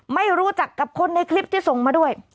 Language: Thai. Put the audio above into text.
ไม่รู้จักกับคนในคลิปที่ส่งมาด้วย